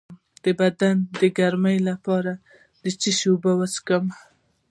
د بدن د ګرمۍ لپاره د څه شي اوبه وڅښم؟